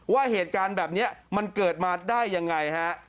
ว่าเหตุการณ์แบบนี้มันเกิดมาได้ยังไงฮะ